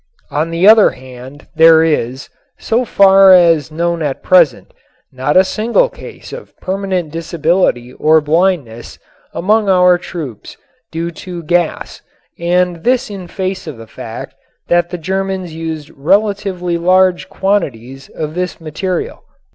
On the other hand there is, so far as known at present, not a single case of permanent disability or blindness among our troops due to gas and this in face of the fact that the Germans used relatively large quantities of this material.